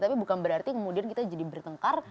tapi bukan berarti kemudian kita jadi bertengkar